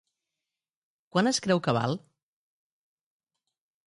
Quant es creu que val?